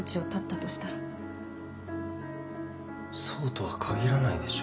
そうとは限らないでしょ。